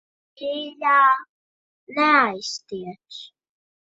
Mīļā, neaiztiec.